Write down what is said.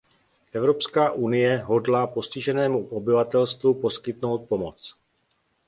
Evropská unie hodlá postiženému obyvatelstvu poskytnout pomoc.